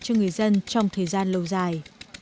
cho người dân trong thời gian lâu dài